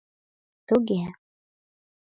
— Туге...